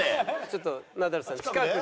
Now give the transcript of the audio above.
ちょっとナダルさん近くでね。